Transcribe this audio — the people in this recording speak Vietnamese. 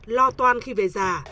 lo toan khi về già